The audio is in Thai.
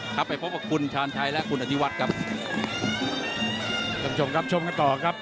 คุณผู้ชมครับคุณผู้ชมครับต่อครับ